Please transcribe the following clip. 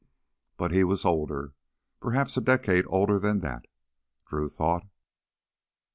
But he was older, perhaps a decade older than that, Drew thought.